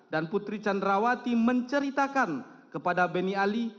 dan putri candrawati menceritakan kepada beni ali